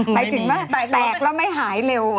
หมายถึงว่าแตกแล้วไม่หายเร็ว